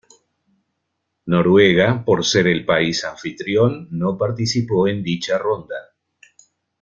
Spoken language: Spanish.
Noruega, por ser el país anfitrión, no participó en dicha ronda.